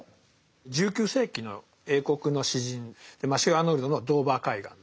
１９世紀の英国の詩人マシュー・アーノルドの「ドーヴァー海岸」。